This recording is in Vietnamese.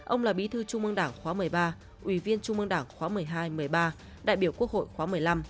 ông là bí thư trung mương đảng khóa một mươi ba ủy viên trung ương đảng khóa một mươi hai một mươi ba đại biểu quốc hội khóa một mươi năm